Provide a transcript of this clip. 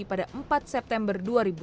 pada empat september dua ribu delapan